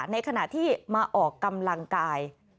ในขณะที่มาออกกำลังกาย